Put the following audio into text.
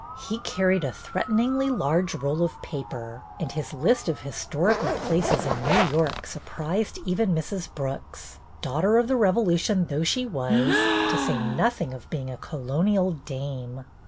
He carried a threateningly large roll of paper, and his list of historical places in New York surprised even Mrs. Brooks, Daugh ter of the Revolution though she was, to say nothing of being a Colonial Dame.